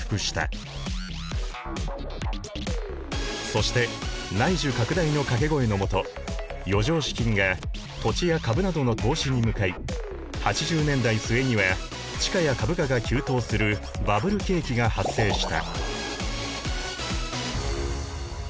そして内需拡大の掛け声の下余剰資金が土地や株などの投資に向かい８０年代末には地価や株価が急騰するバブル景気が発生した。